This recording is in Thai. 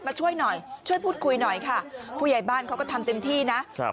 ช่วยหน่อยช่วยพูดคุยหน่อยค่ะผู้ใหญ่บ้านเขาก็ทำเต็มที่นะ